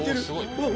うわっ！」